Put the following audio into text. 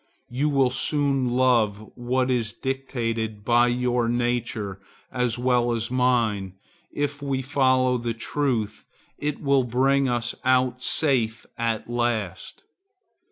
You will soon love what is dictated by your nature as well as mine, and if we follow the truth it will bring us out safe at last.